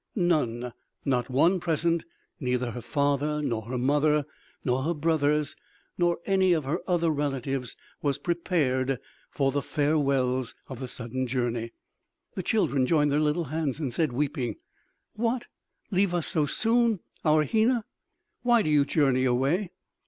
None, not one present, neither her father, nor her mother, nor her brothers, nor any of her other relatives, was prepared for the farewells of the sudden journey. The children joined their little hands and said weeping: "What!... Leave us so soon?... Our Hena?... Why do you journey away?"